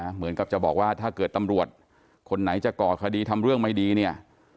เหมือนกับจะบอกว่าถ้าเกิดตำรวจคนไหนจะก่อคดีทำเรื่องไม่ดีเนี่ย